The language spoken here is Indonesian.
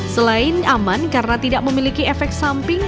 selain aman karena tidak memiliki efek samping